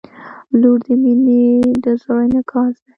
• لور د مینې د زړه انعکاس دی.